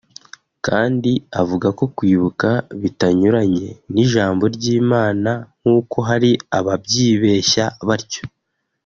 kandi avuga ko kwibuka bitanyuranye n’ijambo ry’Imana nk’uko hari ababyibeshya batyo